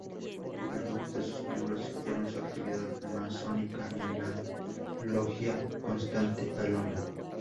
Algunos de sus miembros siguieron su actividad masónica en la Logia Constante Alona.